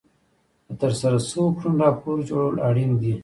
د ترسره شوو کړنو راپور جوړول اړین دي.